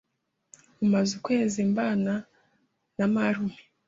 Mumaze ukwezi mbana na marume.